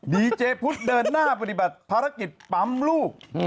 ดีเจพุทธเดินหน้าปฏิบัติภารกิจปั๊มลูก